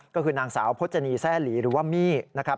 ก็คือนางสาวพจนีแซ่หลีหรือว่ามี่นะครับ